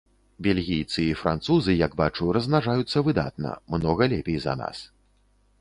Бельгійцы і французы, як бачу, размнажаюцца выдатна, многа лепей за нас.